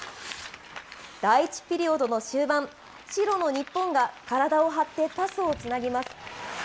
第１ピリオドの終盤、白の日本が体を張ってパスをつなぎます。